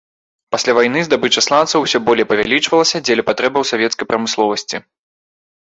Пасля вайны здабыча сланцаў усё болей павялічвалася дзеля патрэбаў савецкай прамысловасці.